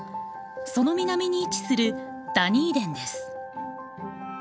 その南に位置するダニーデンです。